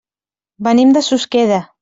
Venim de Susqueda.